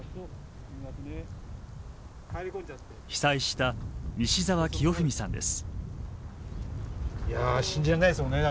被災した西澤清文さんです。